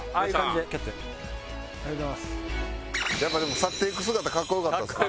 やっぱでも去って行く姿かっこよかったですね。